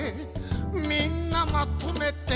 「みんなまとめて魚食え」